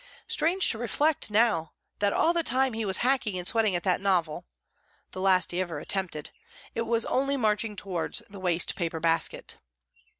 Strange to reflect now that all the time he was hacking and sweating at that novel (the last he ever attempted) it was only marching towards the waste paper basket!